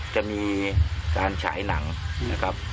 จะมีการฉายหนังนะครับ